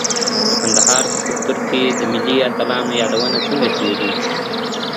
د کندهار په کلتور کي د ملي اتلانو یادونه څنګه کېږي؟